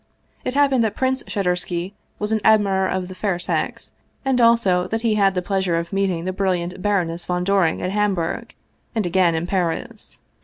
It happened that Prince Shadursky was an admirer of the fair sex, and also that he had had the pleasure of meeting the brilliant Baroness von Doring at Hamburg, and again in Paris.